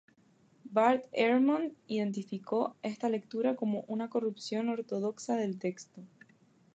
Bart Ehrman identificó esta lectura como una corrupción ortodoxa del texto.